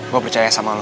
gue percaya sama lu